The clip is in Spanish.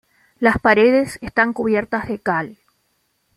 Las paredes están cubiertas de cal.